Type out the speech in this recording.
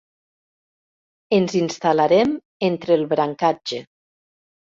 Ens instal·larem entre el brancatge.